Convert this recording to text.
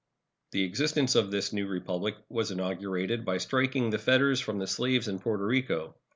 The existence of this new Republic was inaugurated by striking the fetters from the slaves in Porto Rico.